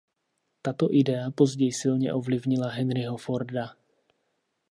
Tato idea později silně ovlivnila Henryho Forda.